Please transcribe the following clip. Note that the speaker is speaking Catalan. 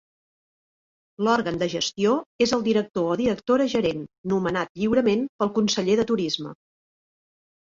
L'òrgan de gestió és el director o directora gerent, nomenat lliurement pel Conseller de Turisme.